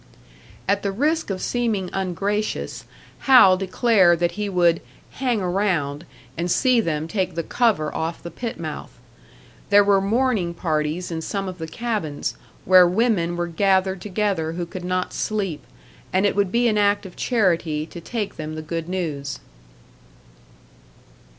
At the risk of seeming ungracious, Hal declared that he would "hang around" and see them take the cover off the pit mouth. There were mourning parties in some of the cabins, where women were gathered together who could not sleep, and it would be an act of charity to take them the good news.